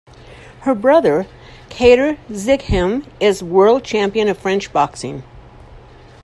Her brother, Kader Zighem is world champion of French boxing.